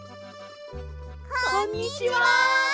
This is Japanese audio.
こんにちは！